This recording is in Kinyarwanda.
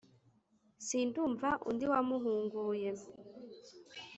sindumva undi wamuhunguye